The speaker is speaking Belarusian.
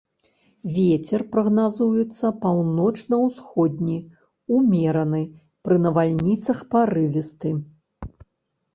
Вецер прагназуецца паўночна-ўсходні ўмераны, пры навальніцах парывісты.